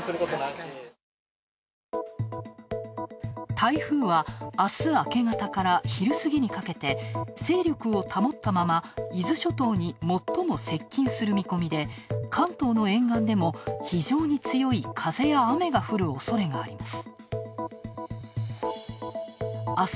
台風はあす明け方から昼過ぎにかけて勢力を保ったまま伊豆諸島に最も接近する見込みで関東の沿岸でも非常に強い風や雨が降るおそれがあります。